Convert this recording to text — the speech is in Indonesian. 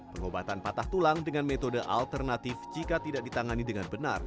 pengobatan patah tulang dengan metode alternatif jika tidak ditangani dengan benar